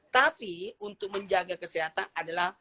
tapi untuk menjaga kesehatan adalah